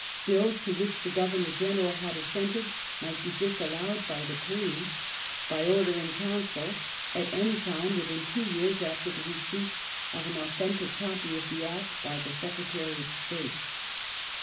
Bills to which the Governor General had assented might be disallowed by the Queen, by Order in Council, at any time within two years after the receipt of an "authentic copy of the Act" by the Secretary of State.